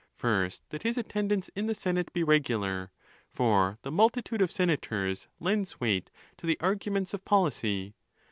First, that his attendance in the senate be regular; for the multi tude of senators lends weight to the arguments of policy.